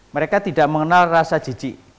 mereka tidak mengenal rasa jijik